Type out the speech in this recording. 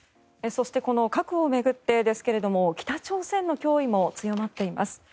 そしてこの核を巡ってですが北朝鮮の脅威も強まっています。